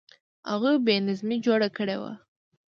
هغوی بې نظمي جوړه کړې وه.